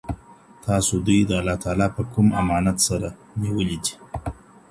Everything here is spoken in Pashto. تاسو دوی د الله تعالی په کوم امانت سره نیولي دي؟